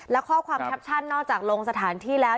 และข้อความแคปชั่นนอกจากลงสถานที่แล้ว